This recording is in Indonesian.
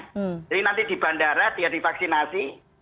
jadi nanti di bandara dia divaksinasi